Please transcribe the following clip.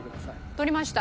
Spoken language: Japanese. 取りました。